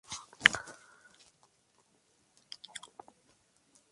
Otra obra famosa de este autor es "Fusilamiento de Maximiliano".